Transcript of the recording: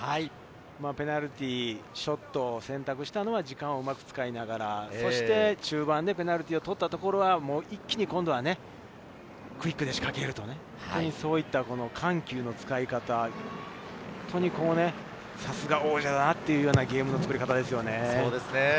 ペナルティー、ショットを選択したのは時間をうまく使いながら、中盤、ペナルティーを取ったところは、一気にクイックで仕掛ける、そういった緩急の使い方、本当にさすが王者だなというゲームのつくり方ですよね。